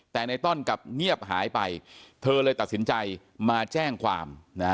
แต่ในต้อนกลับเงียบหายไปเธอเลยตัดสินใจมาแจ้งความ